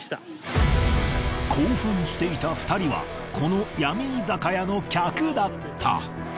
興奮していた２人はこのヤミ居酒屋の客だった。